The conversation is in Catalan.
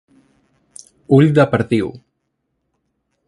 Ull de perdiu.